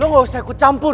lu gak usah ikut campur